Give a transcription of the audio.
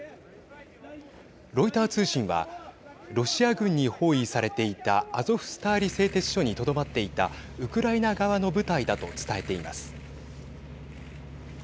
ロイター通信はロシア軍に包囲されていたアゾフスターリ製鉄所にとどまっていたウクライナ側の部隊だと伝えています。